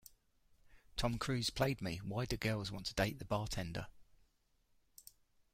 Tom Cruise played me!...Why do girls want to date the bartender?